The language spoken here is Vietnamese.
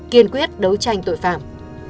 kiên quyết đấu tranh tội phạm